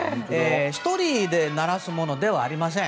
１人で鳴らすものではありません。